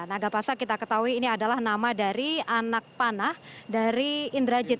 nagapasa kita ketahui ini adalah nama dari anak panah dari indrajit